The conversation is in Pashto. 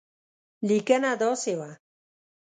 لیکنه داسې وه.